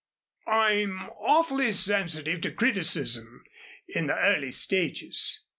"I'm awfully sensitive to criticism in the early stages.